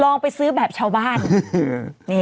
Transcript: ไปซื้อแบบชาวบ้าน